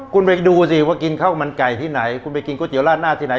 คุณไปดูสิว่ากินข้าวมันไก่ที่ไหนคุณไปกินก๋วราดหน้าที่ไหน